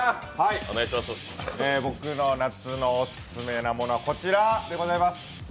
僕の「夏にオススメなもの」はこちらでございます。